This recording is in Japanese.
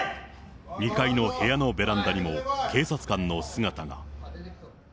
２階の部屋のベランダにも、警察官の姿が。